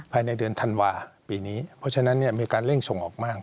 ภายในเดือนธันวาปีนี้เพราะฉะนั้นมีการเร่งส่งออกมาก